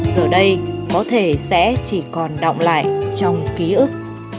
giờ đây có thể sẽ chỉ còn động lại trong ký ức